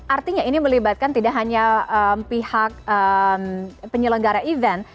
artinya ini melibatkan tidak hanya pihak penyelenggara event